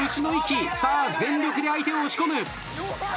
さあ全力で相手を押し込む。